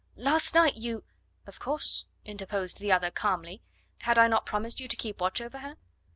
last night you " "Of course," interposed the other calmly; "had I not promised you to keep watch over her?